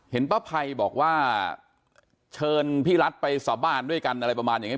ป้าภัยบอกว่าเชิญพี่รัฐไปสาบานด้วยกันอะไรประมาณอย่างนี้